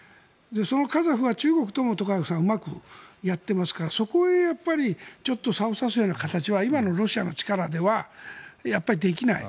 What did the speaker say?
そのカザフは中国ともトカエフさんはうまくやってますからそこへちょっとさおを差すような形は今のロシアの力ではやっぱりできない。